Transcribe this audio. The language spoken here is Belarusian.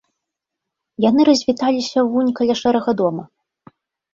Яны развіталіся вунь каля шэрага дома.